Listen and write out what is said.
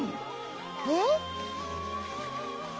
えっ？